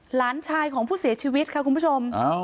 หลานชายของผู้เสียชีวิตค่ะคุณผู้ชม